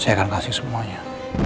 saya akan kasih semuanya